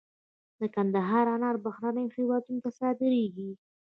د کندهار انار بهرنیو هیوادونو ته صادریږي.